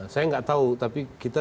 saya nggak tahu tapi kita